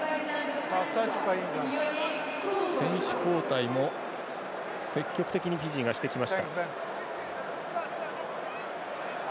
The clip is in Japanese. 選手交代も積極的にフィジーがしてきました。